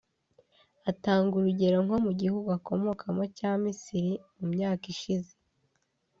atanga urugero nko mu gihugu akomokamo cya Misiri mu myaka ishize